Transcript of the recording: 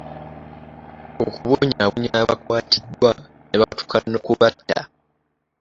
Okubonyaabonya abakwatiddwa ne batuuka n'okubatta